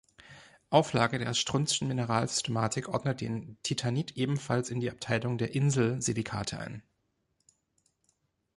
Auflage der Strunz’schen Mineralsystematik ordnet den Titanit ebenfalls in die Abteilung der „Inselsilikate“ ein.